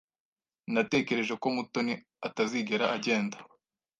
Natekereje ko Mutoni atazigera agenda.